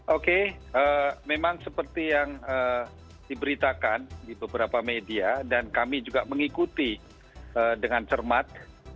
oke memang seperti yang diberitakan di beberapa media dan kami juga mengikuti dengan cermat